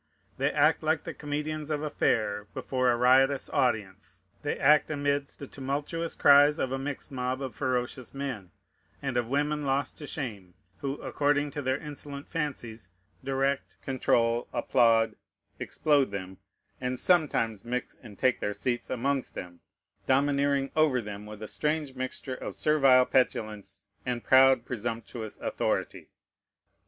They act like the comedians of a fair, before a riotous audience; they act amidst the tumultuous cries of a mixed mob of ferocious men, and of women lost to shame, who, according to their insolent fancies, direct, control, applaud, explode them, and sometimes mix and take their seats amongst them, domineering over them with a strange mixture of servile petulance and proud, presumptuous authority.